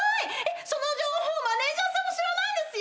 「その情報マネジャーさんも知らないんですよ！」